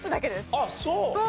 ああそう？